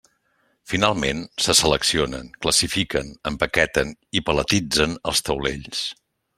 Finalment, se seleccionen, classifiquen, empaqueten i paletitzen els taulells.